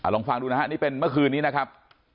ลองฟังดูนะฮะนี่เป็นเมื่อคืนนี้นะครับ